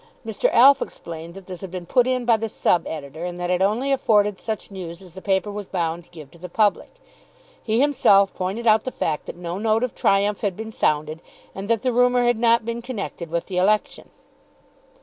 Mr. Alf explained that this had been put in by the sub editor, and that it only afforded such news as the paper was bound to give to the public. He himself pointed out the fact that no note of triumph had been sounded, and that the rumour had not been connected with the election.